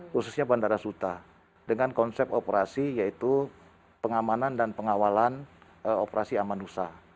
khususnya bandara suta dengan konsep operasi yaitu pengamanan dan pengawalan operasi amanusa